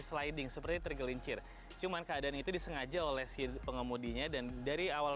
sliding seperti tergelincir cuman keadaan itu disengaja oleh si pengemudinya dan dari awal